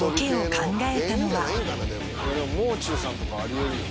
「もう中」さんとかあり得るよ。